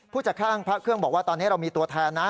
จากข้างพระเครื่องบอกว่าตอนนี้เรามีตัวแทนนะ